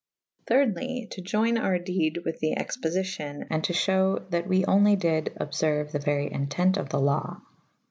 Thyrdely to ioyne our dede with the expoficion /& to fhew that we onely dyd obferue the very entent of the lawe.